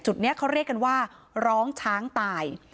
จุดนี้เขาเรียกกันว่าร้องช้างตาย